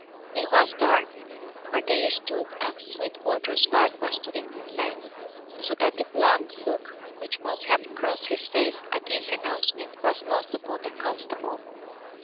It was dark where they stood and Sweetwater's back was to the moonlight, so that the blank look which must have crossed his face at this announcement was lost upon the constable.